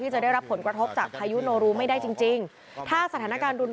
คุณบินบอกเลยนะครับว่าเห็นภาพข่าวสถานการณ์